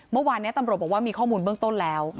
เมื่อวานนี้ตำรวจบอกว่ามีข้อมูลเบื้องต้นแล้ว